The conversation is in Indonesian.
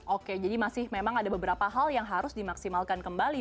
oke jadi masih memang ada beberapa hal yang harus dimaksimalkan kembali